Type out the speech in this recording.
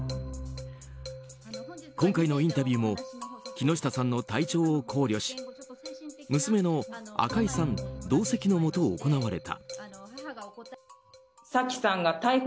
今回のインタビューも木下さんの体調を考慮し娘のＡＫＡＩさん同席のもと行われた。